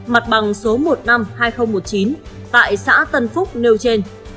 mặt bằng số một năm hai nghìn một mươi chín tại xã tân phúc nêu trên